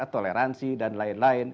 toleransi dan lain lain